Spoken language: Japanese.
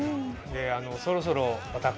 そろそろ。